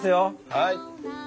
はい。